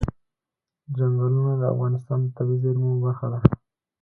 چنګلونه د افغانستان د طبیعي زیرمو برخه ده.